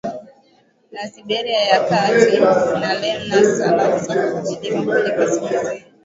za Siberia ya Kati na Lena halafu safu za milima kwenye kaskazini